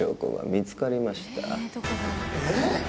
えっ？